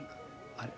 あれ？